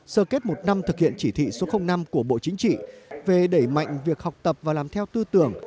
sơ kết một năm thực hiện chỉ thị số năm của bộ chính trị về đẩy mạnh việc học tập và làm theo tư tưởng